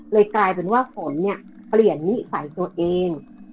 กลายเป็นว่าฝนเนี่ยเปลี่ยนนิสัยตัวเอง